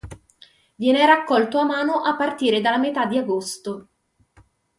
Viene raccolto a mano a partire dalla metà di agosto.